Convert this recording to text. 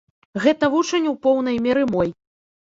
Гэта вучань у поўнай меры мой.